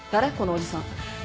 おじさん。